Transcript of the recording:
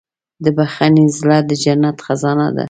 د بښنې زړه د جنت خزانه ده.